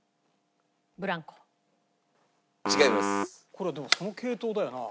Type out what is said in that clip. これでもその系統だよな。